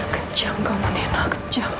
kejam kamu nino kejam